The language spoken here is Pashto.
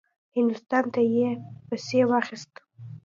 هندوستان ته یې پسې واخیست.